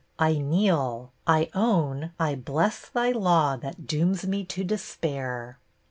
I kneel ! I own, I bless thy law That dooms me to despair.